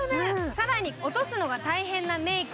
更に落とすのが大変なメーク